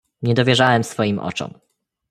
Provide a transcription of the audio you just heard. "Nie dowierzałem swoim oczom."